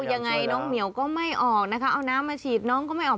ยังไงน้องเหมียวก็ไม่ออกนะคะเอาน้ำมาฉีดน้องก็ไม่ออก